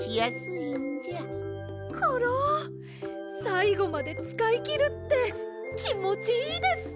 さいごまでつかいきるってきもちいいです！